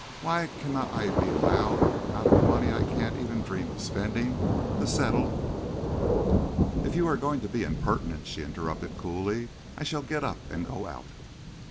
Why cannot I be allowed, out of the money I can't ever dream of spending, to settle " "If you are going to be impertinent," she interrupted coolly, "I shall get up and go out."